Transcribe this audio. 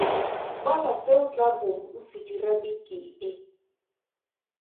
Kwala se o tlaa bong o se dira beke e.